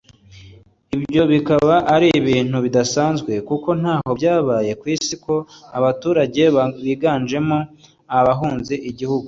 Ibyo bikaba ari ibintu bidasanzwe kuko ntaho byabaye ku isi ko abaturage biganjemo abahunze igihugu